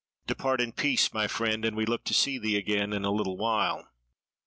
Depart in peace, my friend, and we look to see thee again in a little while."